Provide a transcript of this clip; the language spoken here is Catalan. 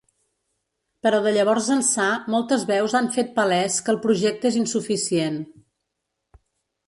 Però de llavors ençà moltes veus han fet palès que el projecte és insuficient.